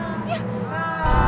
ayo bima terus bima